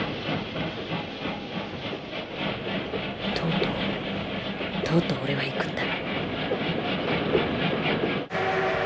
とうとうとうとう俺は行くんだ。